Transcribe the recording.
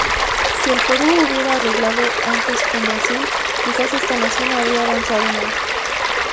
Si el Perú hubiera arreglado antes con Brasil, quizás esta nación habría avanzado menos.